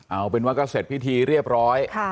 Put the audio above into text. เอาเป็นว่าก็เสร็จพิธีเรียบร้อย